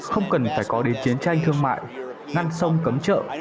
không cần phải có đến chiến tranh thương mại ngang sông cấm chợ